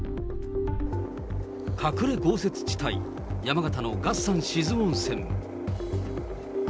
隠れ豪雪地帯、山形の月山志津温泉。